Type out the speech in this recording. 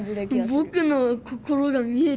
僕の心が見えてる。